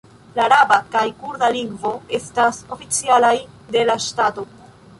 La araba kaj kurda lingvoj estas oficialaj de la ŝtato.